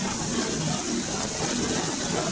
kota yang terkenal dengan